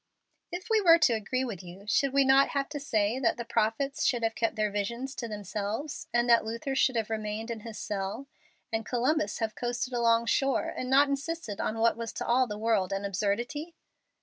"If we were to agree with you, should we not have to say that the prophets should have kept their visions to themselves, and that Luther should have remained in his cell, and Columbus have coasted alongshore and not insisted on what was to all the world an absurdity?"